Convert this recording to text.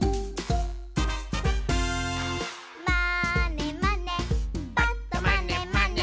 「まーねまねぱっとまねまね」